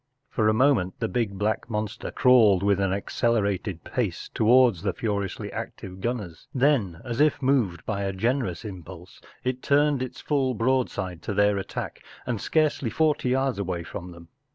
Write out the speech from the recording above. For a moment the big black monster crawled with an accelerated pace towards the furiously active gunners. Then, as if moved by a generous impulse, it turned its full broad¬ side to their attack, and scarcely forty yards away from them.